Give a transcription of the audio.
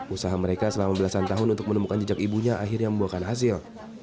usaha mereka selama belasan tahun untuk menemukan jejak ibunya akhirnya membuahkan hasil